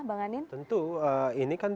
bang anin tentu ini kan